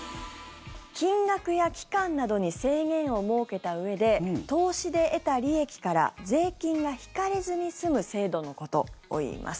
金額や期間などに制限を設けたうえで投資で得た利益から税金が引かれずに済む制度のことをいいます。